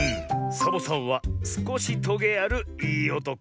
「サボさんはすこしトゲあるいいおとこ」。